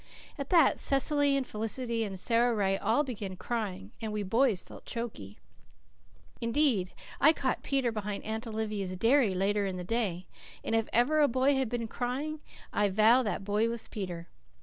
At that Cecily and Felicity and Sara Ray all began crying, and we boys felt choky. Indeed, I caught Peter behind Aunt Olivia's dairy later in the day, and if ever a boy had been crying I vow that boy was Peter.